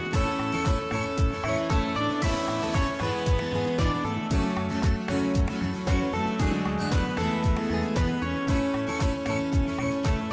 โปรดติดตามต่อไป